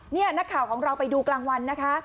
นี่นักข่าวของเราไปดูกลางวันนะคะ